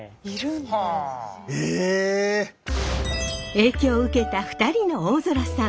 影響を受けた２人の大空さん